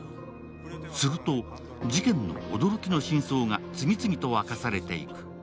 すると、事件の驚きの真相が次々と明かされていく。